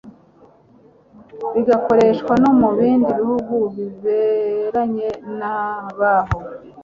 bigakoreshwa no mu bindi bihugu biberanye nabaho